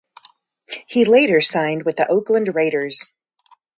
He later signed with the Oakland Raiders.